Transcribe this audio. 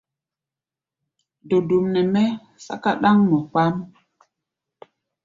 Dodom nɛ mɛ́ sɛ́ká ɗáŋmɔ kpaáʼm.